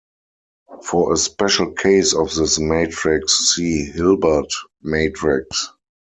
For a special case of this matrix see Hilbert matrix.